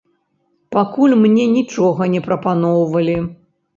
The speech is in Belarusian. Пакуль мне нічога не прапаноўвалі.